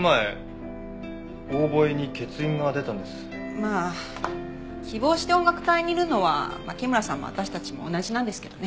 まあ希望して音楽隊にいるのは牧村さんも私たちも同じなんですけどね。